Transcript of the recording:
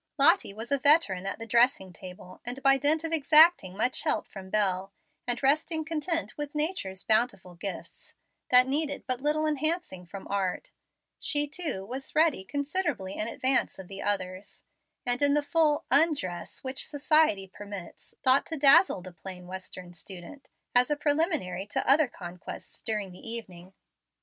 Lottie was a veteran at the dressing table, and by dint of exacting much help from Bel, and resting content with nature's bountiful gifts, that needed but little enhancing from art, she, too, was ready considerably in advance of the others, and, in the full UNdress which society permits, thought to dazzle the plain Western student, as a preliminary to other conquests during the evening.